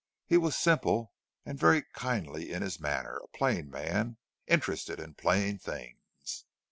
He was simple and very kindly in his manner, a plain man, interested in plain things.